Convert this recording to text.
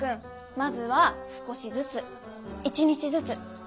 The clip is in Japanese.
まずは少しずつ１日ずつねっ。